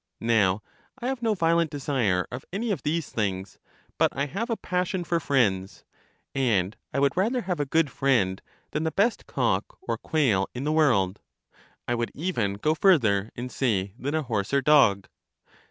Now, I have no violent desire of any of these things; but I have a passion for friends; and I would rather have a good friend than the best cock or quail in the world: I 62 LYSIS would even go further, and say than a horse or dog.